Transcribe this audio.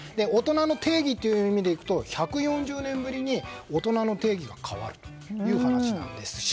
大人の定義という意味でいくと１４０年ぶりに大人の定義が変わるという話なんです。